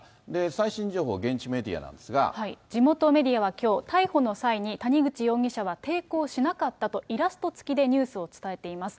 最新情報、現地メディアなんです地元メディアはきょう、逮捕の際に谷口容疑者は抵抗しなかったと、イラスト付きでニュースを伝えています。